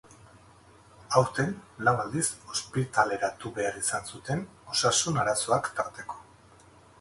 Aurten, lau aldiz ospitaleratu behar izan zuten, osasun arazoak tarteko.